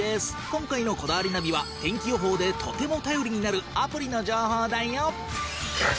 今回の『こだわりナビ』は天気予報でとても頼りになるアプリの情報だよ。